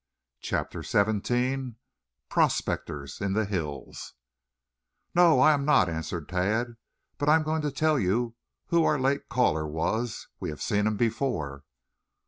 CHAPTER XVII PROSPECTORS IN THE HILLS "No, I am not," answered Tad, "but I am going to tell you who our late caller was. We have seen him before."